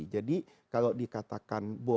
jadi kalau dikatakan boleh